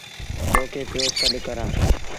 تو کي پيو سڏ ڪرآݩ ۔